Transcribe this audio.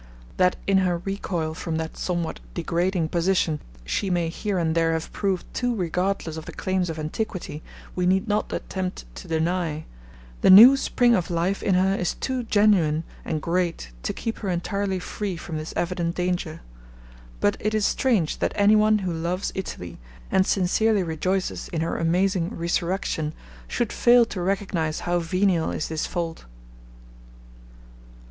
That in her recoil from that somewhat degrading position, she may here and there have proved too regardless of the claims of antiquity, we need not attempt to deny; the new spring of life in her is too genuine and great to keep her entirely free from this evident danger. But it is strange that any one who loves Italy, and sincerely rejoices in her amazing resurrection, should fail to recognise how venial is this fault.